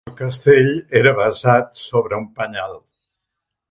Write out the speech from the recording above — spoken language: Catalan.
El castell era basat sobre un penyal.